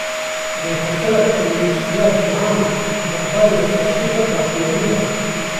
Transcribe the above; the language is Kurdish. Rêxistina Tendurustiya Cîhanî, derbarê nexweşiyê de daxuyanî da